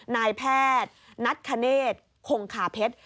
นายแพทย์นัทคเนธคงคาเพชร